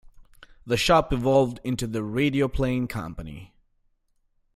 The shop evolved into the "Radioplane Company".